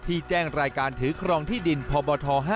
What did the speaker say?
แจ้งรายการถือครองที่ดินพบท๕